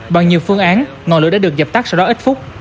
bằng nhiều phương án ngọn lửa đã được dập tắt sau đó ít phút